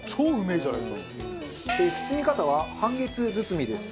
包み方は半月包みです。